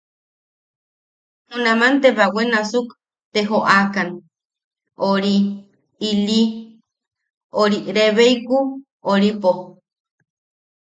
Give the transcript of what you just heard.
Junaman te bawe nasuk te joʼokan ori ili ori rebbeikuoripo.